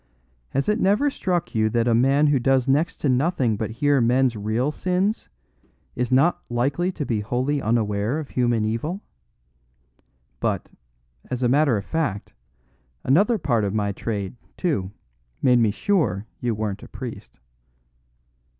"Has it never struck you that a man who does next to nothing but hear men's real sins is not likely to be wholly unaware of human evil? But, as a matter of fact, another part of my trade, too, made me sure you weren't a priest."